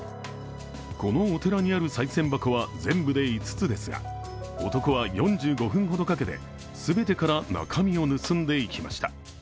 このお寺にあるさい銭箱は全部で５つですが男は４５分ほどかけて、全てから中身を盗んでいきました。